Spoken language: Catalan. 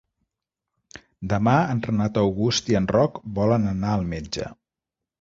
Demà en Renat August i en Roc volen anar al metge.